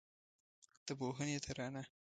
د پوهنې ترانه